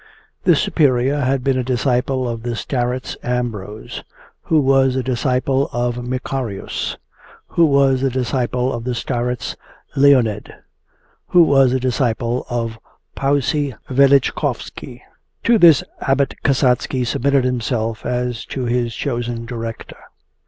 This Superior had been a disciple of the starets Ambrose, who was a disciple of Makarius, who was a disciple of the starets Leonid, who was a disciple of Paussy Velichkovsky. To this Abbot Kasatsky submitted himself as to his chosen director.